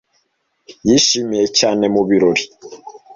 Yishimiye cyane mu birori.